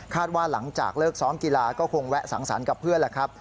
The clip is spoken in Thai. ว่าหลังจากเลิกซ้อมกีฬาก็คงแวะสังสรรค์กับเพื่อนแล้วครับ